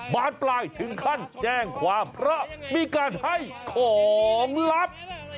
บานปลายถึงขั้นแจ้งความเพราะมีการให้ของลับ